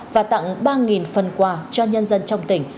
và tặng ba phần quà cho nhân dân trong tỉnh